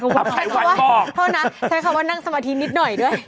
แพร์รี่ก็บอกเลย